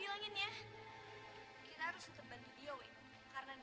jalan kung jalan se di sini ada pesta besar besaran